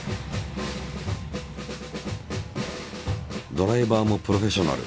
ドライバーもプロフェッショナル。